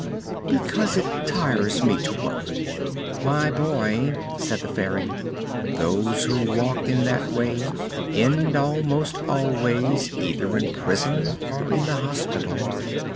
"Because it tires me to work." "My boy," said the Fairy, "those who talk in that way end almost always either in prison or in the hospital.